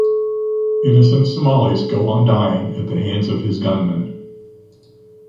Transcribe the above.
Innocent Somalis go on dying at the hands of his gunmen.